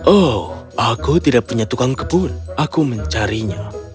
oh aku tidak punya tukang kebun aku mencarinya